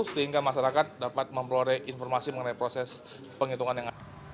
sehingga masyarakat dapat mempelore informasi mengenai proses penghitungan yang ada